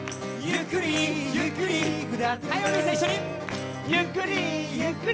「ゆっくりゆっくり下ってく」